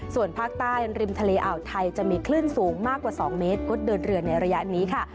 ส่วนภาคใต้ริมทะเลอ่าวไทยจะมีคลื่นสูงมากกว่า๒เมตรงดเดินเรือในระยะนี้ค่ะ